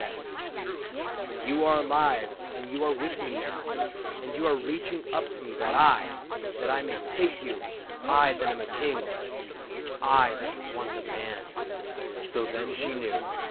AS A WORLD WOULD HAVE IT i6i " You are alive, and you are with me now ; And you are reaching up to me that I — That I may take you — I that am a King — I that was once a man." So then she knew.